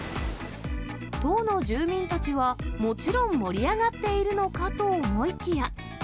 当の住民たちは、もちろん盛り上がっているのかと思いきや。